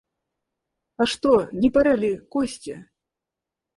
А что, не пора ли, Костя?